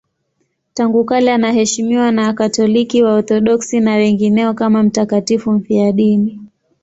Tangu kale anaheshimiwa na Wakatoliki, Waorthodoksi na wengineo kama mtakatifu mfiadini.